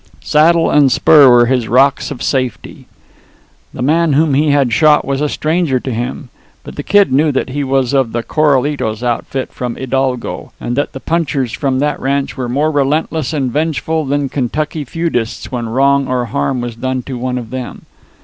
Saddle and spur were his rocks of safety. The man whom he had shot was a stranger to him. But the Kid knew that he was of the Coralitos outfit from Hidalgo; and that the punchers from that ranch were more relentless and vengeful than Kentucky feudists when wrong or harm was done to one of them.